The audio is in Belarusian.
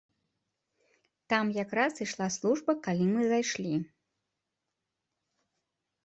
Там якраз ішла служба, калі мы зайшлі.